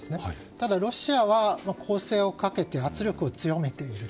ただ、ロシアは攻勢をかけて圧力を強めている。